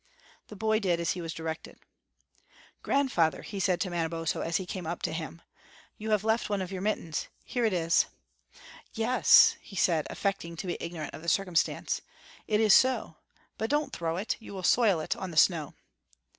The boy did as he was directed. "Grandfather," said he to Manabozho, as he came up to him, "you have left one of your mittens. Here it is." "Yes," he said, affecting to be ignorant of the circumstance, "it is so; but don't throw it, you will soil it on the snow."